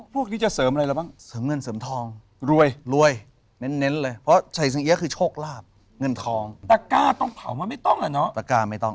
พวกนี้จะเสริมอะไรแล้วบ้าง